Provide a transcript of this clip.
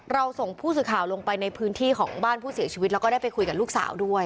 ส่งผู้สื่อข่าวลงไปในพื้นที่ของบ้านผู้เสียชีวิตแล้วก็ได้ไปคุยกับลูกสาวด้วย